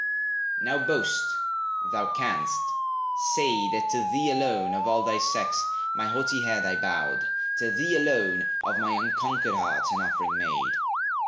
Now boast; thou can'st! Say, that to thee alone Of all thy sex, my haughty head I bowed, To thee alone, of my unconquered heart An offering made.